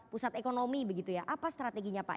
pusat ekonomi begitu ya apa strateginya pak